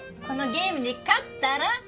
このゲームに勝ったら。